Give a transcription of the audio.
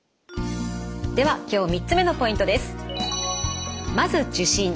では今日３つ目のポイントです。